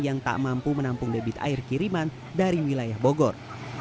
yang tak mampu menampung debit air kiriman dari wilayah bogor